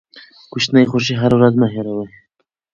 کوچني خوښۍ هره ورځ مه هېروئ.